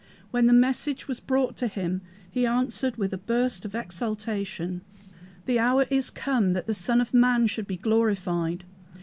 When the message was brought to him he answered with a burst of exultation, "The hour is come that the Son of man should be glorified!